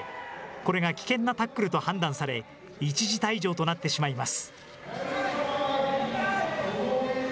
これが危険なタックルと判断され、一時退場となってしまいます。